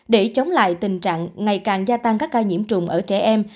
để chống lại tình trạng ngày càng gia tăng các ca nhiễm trùng ở trẻ em